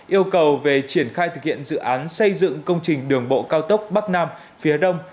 yêu cầu về triển khai thực hiện dự án xây dựng công trình đường bộ cao tốc bắc nam phía đông